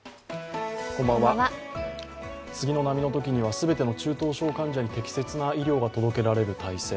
次の波のときには全ての中等症患者に適切な医療が届けられる体制。